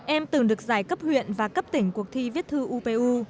em từng được giải cấp huyện và cấp tỉnh cuộc thi viết thư upu